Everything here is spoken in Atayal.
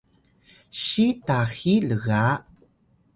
si taxiy lga